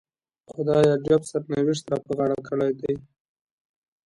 خدای عجیب سرنوشت را په غاړه کړی دی.